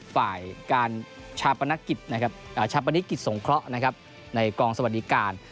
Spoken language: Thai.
ฝ่ายการชาปนกิจชาปนกิจสงเคราะห์ในกองสวัสดิการ